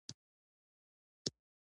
د غصې کنټرول